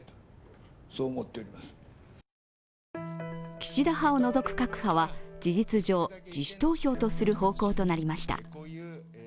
岸田派を除く各派は事実上、自主投票とする方向となりました。